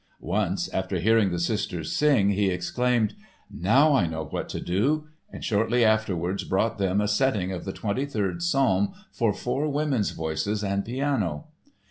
Once, after hearing the sisters sing, he exclaimed: "Now I know what to do" and shortly afterwards brought them a setting of the Twenty third Psalm for four women's voices and piano.